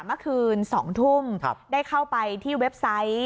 เมื่อคืน๒ทุ่มได้เข้าไปที่เว็บไซต์